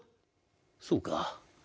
そうか。